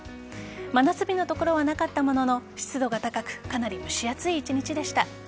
真夏日の所はなかったものの湿度が高くかなり蒸し暑い一日でした。